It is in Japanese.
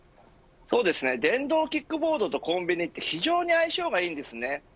電動キックボードとコンビニは非常に相性がいいです。